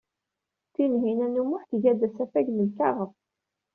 Tinhinan u Muḥ tga-d asafag n lkaɣeḍ.